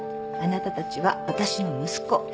あなたたちは私の息子。